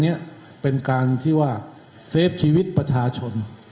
นี้เป็นการที่ว่าเซฟชีวิตประชาชน